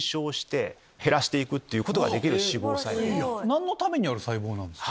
何のためにある細胞なんですか？